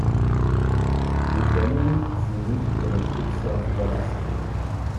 Wir können sie nicht ihrem Schicksal überlassen.